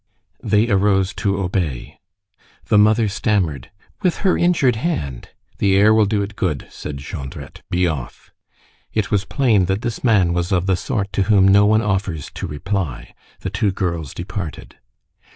They arose to obey. The mother stammered:— "With her injured hand." "The air will do it good," said Jondrette. "Be off." It was plain that this man was of the sort to whom no one offers to reply. The two girls departed.